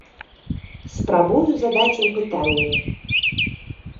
Спрабую задаць ім пытанне.